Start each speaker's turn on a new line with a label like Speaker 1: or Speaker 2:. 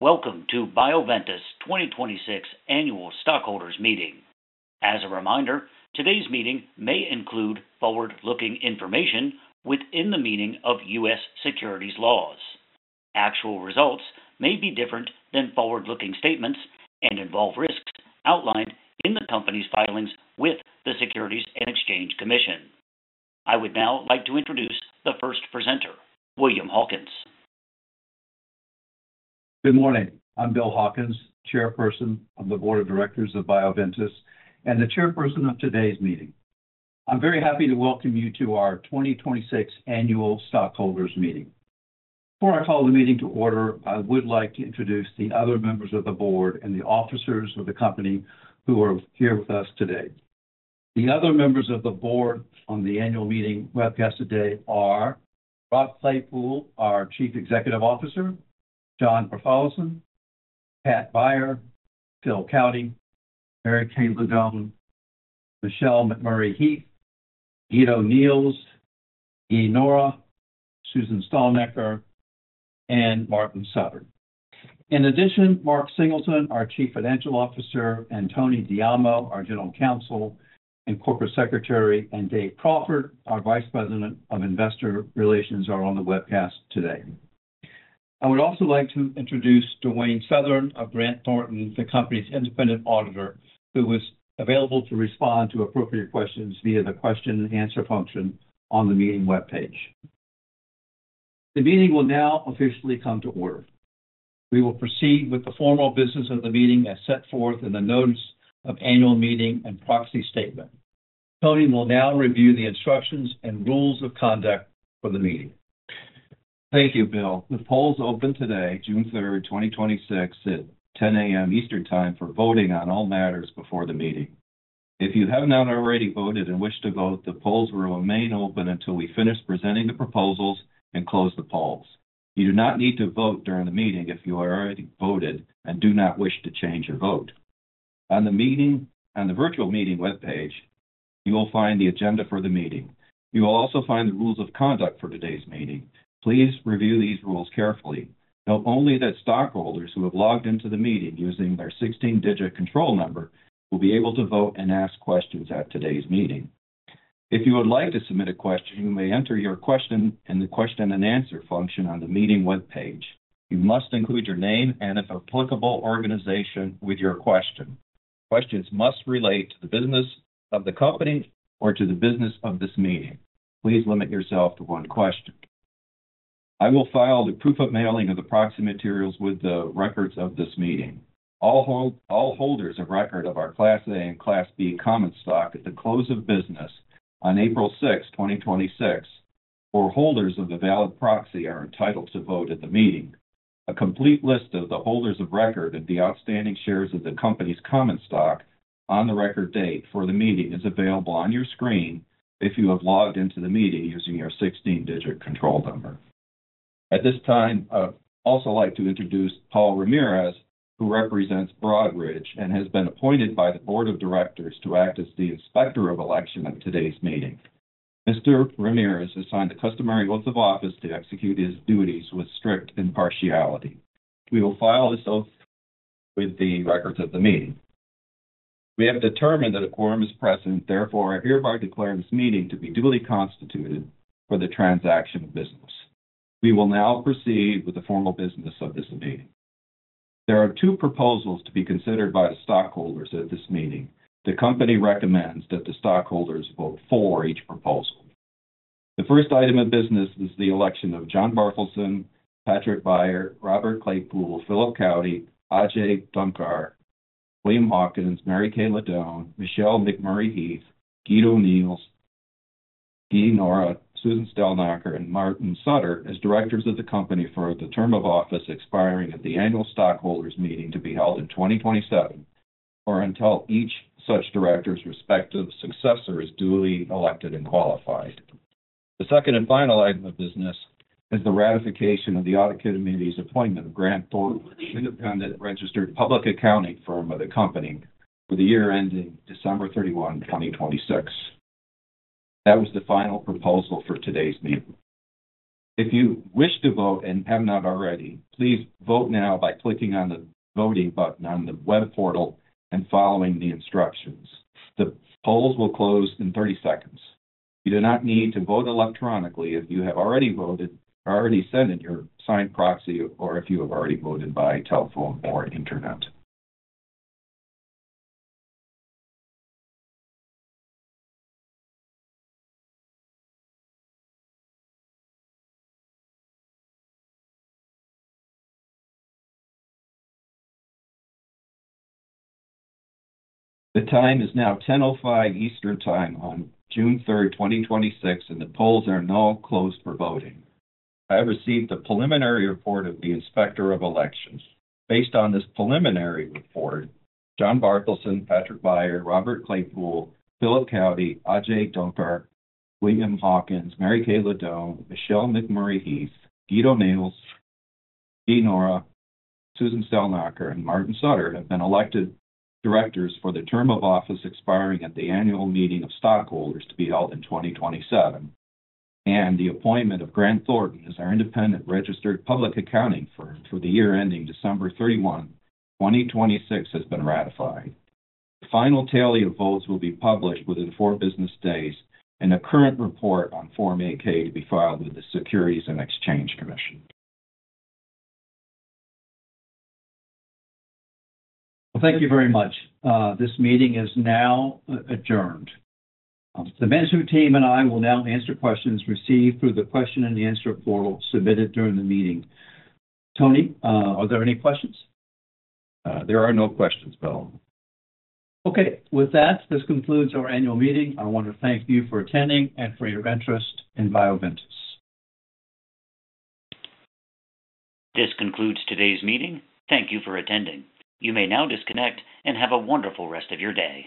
Speaker 1: Welcome to Bioventus 2026 annual stockholders meeting. As a reminder, today's meeting may include forward-looking information within the meaning of U.S. Securities Laws. Actual results may be different than forward-looking statements and involve risks outlined in the company's filings with the Securities and Exchange Commission. I would now like to introduce the first presenter, William Hawkins.
Speaker 2: Good morning. I'm Bill Hawkins, Chairman of the Board of Directors of Bioventus and the Chairman of today's meeting. I'm very happy to welcome you to our 2026 annual stockholders meeting. Before I call the meeting to order, I would like to introduce the other members of the board and the officers of the company who are here with us today. The other members of the board on the annual meeting webcast today are Rob Claypoole, our Chief Executive Officer, John Bartholdson, Pat Beyer, Phil Cowdy, Mary Kay Ladone, Michelle McMurry-Heath, Guido Neels, Guy Nohra, Susan Stalnecker, and Marty Sutter. In addition, Mark Singleton, our Chief Financial Officer, and Tony D'Adamio, our General Counsel and Corporate Secretary, and Dave Crawford, our Vice President of Investor Relations, are on the webcast today. I would also like to introduce Dewayne Southern of Grant Thornton, the company's independent Auditor, who is available to respond to appropriate questions via the question and answer function on the meeting webpage. The meeting will now officially come to order. We will proceed with the formal business of the meeting as set forth in the notice of annual meeting and proxy statement. Tony will now review the instructions and rules of conduct for the meeting.
Speaker 3: Thank you, Bill. The polls opened today, June 3rd, 2026, at 10:00 A.M. Eastern Time for voting on all matters before the meeting. If you have not already voted and wish to vote, the polls will remain open until we finish presenting the proposals and close the polls. You do not need to vote during the meeting if you have already voted and do not wish to change your vote. On the virtual meeting webpage, you will find the agenda for the meeting. You will also find the rules of conduct for today's meeting. Please review these rules carefully. Note only that stockholders who have logged into the meeting using their 16-digit control number will be able to vote and ask questions at today's meeting. If you would like to submit a question, you may enter your question in the question and answer function on the meeting webpage. You must include your name and, if applicable, organization with your question. Questions must relate to the business of the company or to the business of this meeting. Please limit yourself to one question. I will file the proof of mailing of the proxy materials with the records of this meeting. All holders of record of our Class A and Class B common stock at the close of business on April 6th, 2026, or holders of a valid proxy, are entitled to vote at the meeting. A complete list of the holders of record of the outstanding shares of the company's common stock on the record date for the meeting is available on your screen if you have logged into the meeting using your 16-digit control number. At this time, I'd also like to introduce Paul Ramirez, who represents Broadridge and has been appointed by the Board of Directors to act as the Inspector of Election at today's meeting. Mr. Ramirez has signed the customary oaths of office to execute his duties with strict impartiality. We will file this oath with the records of the meeting. We have determined that a quorum is present. Therefore, I hereby declare this meeting to be duly constituted for the transaction of business. We will now proceed with the formal business of this meeting. There are two proposals to be considered by the stockholders at this meeting. The company recommends that the stockholders vote for each proposal. The first item of business is the election of John Bartholdson, Patrick Beyer, Robert Claypoole, Philip Cowdy, Ajay Dhankhar, William Hawkins, Mary Kay Ladone, Michelle McMurry-Heath, Guido Neels, Guy Nohra, Susan Stalnecker, and Marty Sutter as directors of the company for the term of office expiring at the annual stockholders meeting to be held in 2027, or until each such director's respective successor is duly elected and qualified. The second and final item of business is the ratification of the Audit Committee's appointment of Grant Thornton as the independent registered public accounting firm of the company for the year ending December 31, 2026. That was the final proposal for today's meeting. If you wish to vote and have not already, please vote now by clicking on the voting button on the web portal and following the instructions. The polls will close in 30 seconds. You do not need to vote electronically if you have already voted, already sent in your signed proxy, or if you have already voted by telephone or internet. The time is now 10:05 A.M. Eastern Time on June third, 2026, and the polls are now closed for voting. I have received the preliminary report of the Inspector of Elections. Based on this preliminary report, John Bartholdson, Patrick Beyer, Robert Claypoole, Philip Cowdy, Ajay Dhankhar, William Hawkins, Mary Kay Ladone, Michelle McMurry-Heath, Guido Neels, Guy Nohra, Susan Stalnecker, and Marty Sutter have been elected directors for the term of office expiring at the annual meeting of stockholders to be held in 2027, and the appointment of Grant Thornton as our independent registered public accounting firm for the year ending December 31, 2026, has been ratified. The final tally of votes will be published within four business days in a current report on Form 8-K to be filed with the Securities and Exchange Commission.
Speaker 2: Well, thank you very much. This meeting is now adjourned. The management team and I will now answer questions received through the question and answer portal submitted during the meeting. Tony, are there any questions?
Speaker 3: There are no questions, Bill.
Speaker 2: With that, this concludes our annual meeting. I want to thank you for attending and for your interest in Bioventus.
Speaker 1: This concludes today's meeting. Thank you for attending. You may now disconnect and have a wonderful rest of your day.